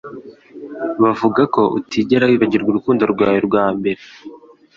Bavuga ko utigera wibagirwa urukundo rwawe rwa mbere.